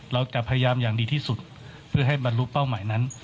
เราจะพยายามอย่างดีที่สุดเพื่อให้บรรลุเป้าหมายนั้น